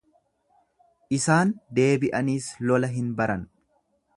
Isaan deebi'aniis lola hin baran.